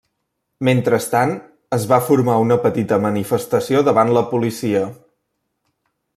Mentrestant, es va formar una petita manifestació davant la policia.